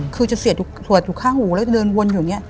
คือจะเสียขวดอยู่ข้างหูแล้วเดินวนอยู่อย่างนี้